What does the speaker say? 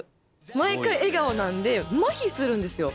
毎回笑顔なんでまひするんですよ。